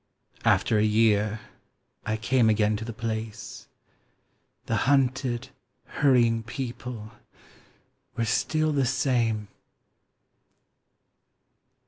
After a year I came again to the place The hunted hurrying people were still the same....